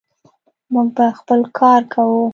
موږ به خپل کار کوو.